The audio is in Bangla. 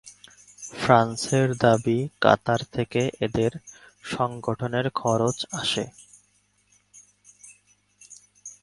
ফ্রান্সের দাবি, কাতার থেকে এদের সংগঠনের খরচ আসে।